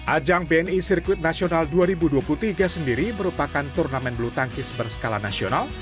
ajang bni sirkuit nasional dua ribu dua puluh tiga sendiri merupakan turnamen bulu tangkis berskala nasional